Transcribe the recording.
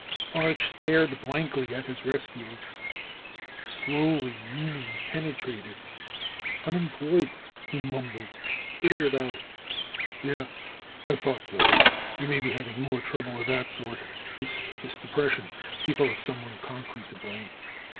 Arch stared blankly at his rescuer. Slowly, meaning penetrated. "Unemployed " he mumbled. "Bitter about it " "Yeah. I thought so. You may be having more trouble of that sort. This depression, people have someone concrete to blame."